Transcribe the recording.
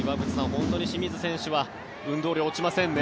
本当に清水選手は運動量が落ちませんね。